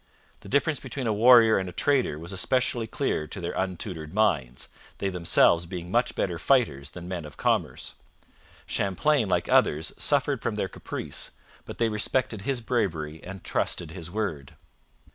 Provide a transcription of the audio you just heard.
The difference between a warrior and a trader was especially clear to their untutored minds, they themselves being much better fighters than men of commerce. Champlain, like others, suffered from their caprice, but they respected his bravery and trusted his word.